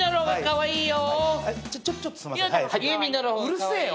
うるせえよ！